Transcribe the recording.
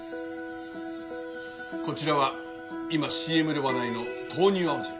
こちらは今ＣＭで話題の豆乳青汁。